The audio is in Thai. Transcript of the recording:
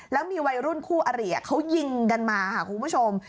แล้วมีวัยรุ่นคู่อริเขายิงกันมาค่ะคุณผู้ชม